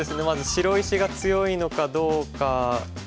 まず白石が強いのかどうか。